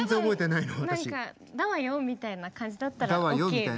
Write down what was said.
「だわよ」みたいな感じだったらＯＫみたい。